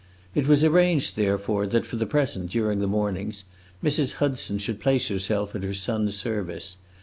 It was arranged therefore that, for the present, during the mornings, Mrs. Hudson should place herself at her son's service.